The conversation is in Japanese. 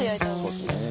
そうですね。